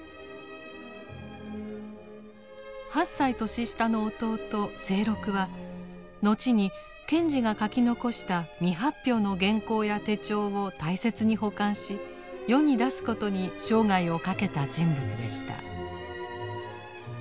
８歳年下の弟清六は後に賢治が書き残した未発表の原稿や手帳を大切に保管し世に出すことに生涯をかけた人物でした。